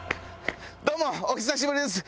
どうもお久しぶりです。